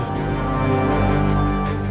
dan tebuslah kesalahanmu